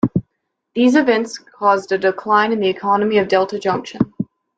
These events caused a decline in the economy of Delta Junction.